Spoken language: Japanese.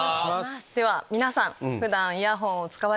では皆さん。